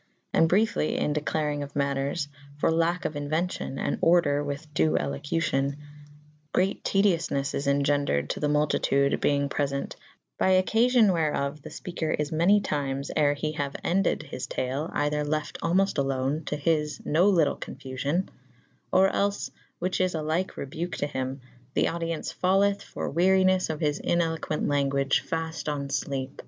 And bryefly in declaryng of maters, for lake' of inuencyo.n and order with due elocucyow, greate tediolhes^ is engendred to the multytude beynge prel^nt / by occafyon where of the fpeker is many tymes or ' he haue endyd his tale eyther lefte almost alone '° to hys no lytic confufyo/«, or els (whiche is a lyke rebuke to hym) the audyence falleth for werynes of hys ineloquent langage" fafte on flepe.